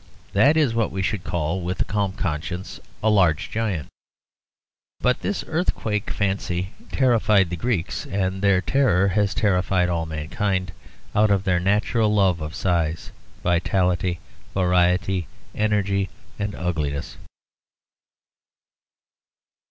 That is what we should call, with a calm conscience, a large giant. But this earthquake fancy terrified the Greeks, and their terror has terrified all mankind out of their natural love of size, vitality, variety, energy, ugliness.